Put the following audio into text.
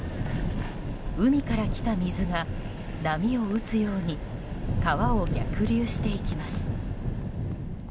海から来た水が波を打つように川を逆流していきます。